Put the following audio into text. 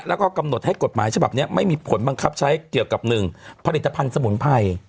แล้วก็กำหนดให้กฎหมายฉบับนี้ไม่มีผลบังคับใช้เกี่ยวกับ๑ผลิตภัณฑ์สมุนไพร